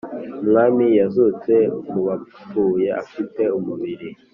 Umwami yazutse mubapfuye afite umubiri